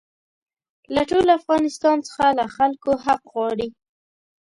له ټول افغانستان څخه له خلکو حق غواړي.